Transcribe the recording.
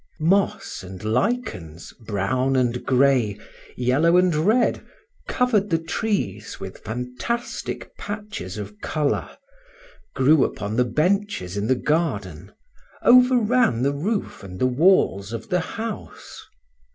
Moss and lichens, brown and gray, yellow and red, covered the trees with fantastic patches of color, grew upon the benches in the garden, overran the roof and the walls of the house.